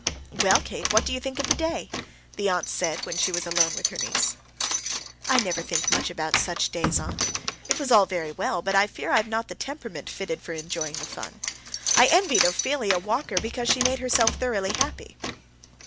"Well, Kate, what do you think of the day?" the aunt said when she was alone with her niece. "I never think much about such days, aunt. It was all very well, but I fear I have not the temperament fitted for enjoying the fun. I envied Ophelia Walker because she made herself thoroughly happy."